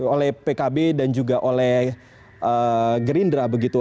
oleh pkb dan juga oleh gerindra begitu